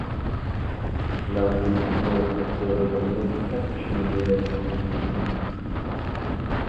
La montée de Choulans enserre également les quatre cheminées d’aération du tunnel.